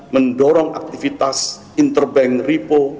mendorong aktivitas interbank repo